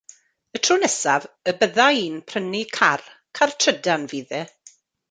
Y tro nesaf y bydda i'n prynu car, car trydan fydd e.